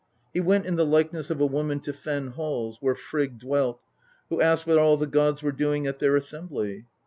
He went in the likeness of a woman to Fen Halls, where Frigg dwelt, who asked what all the gods were doing at their assembly.